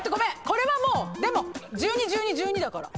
これはもうでも１２１２１２だから。